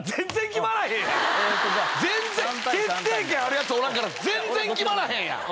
決定権ある奴おらんから全然決まらへんやん！